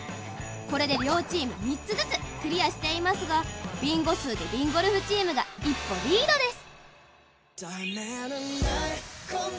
これで両チーム３つずつクリアしていますがＢＩＮＧＯ数でＢＩＮＧＯＬＦチームが一歩リードです。